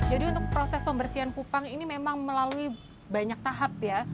untuk proses pembersihan kupang ini memang melalui banyak tahap ya